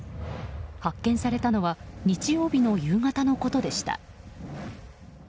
発見されたのは日曜日の夕方のことでした。